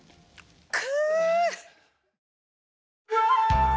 く。